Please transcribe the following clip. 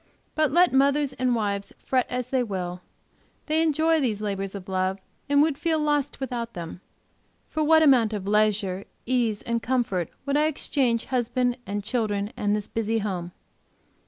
But let mothers and wives fret as they will, they enjoy these labors of love, and would feel lost without them. For what amount of leisure, ease and comfort would I exchange husband and children and this busy home?